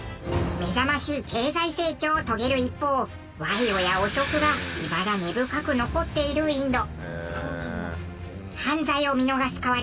目覚ましい経済成長を遂げる一方賄賂や汚職がいまだ根深く残っているインド。